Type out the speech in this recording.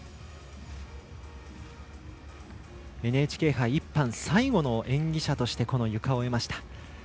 ＮＨＫ杯１班最後の演技者としてこのゆかを終えました。